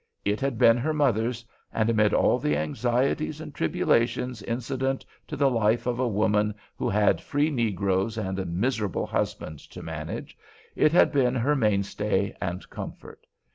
It had been her mother's, and amid all the anxieties and tribulations incident to the life of a woman who had free negroes and a miserable husband to manage, it had been her mainstay and comfort.